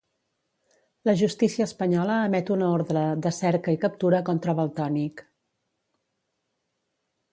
La justícia espanyola emet un ordre de cerca i captura contra Valtònyc.